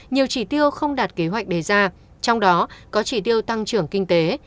nhiều chỉ tiêu không đạt kế hoạch đề ra trong đó có chỉ tiêu tăng trưởng kinh tế